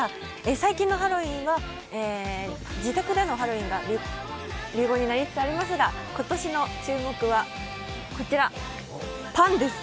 最近のハロウィーンは、自宅でのハロウィーンが流行になりつつありますが今年の注目はこちら、パンです。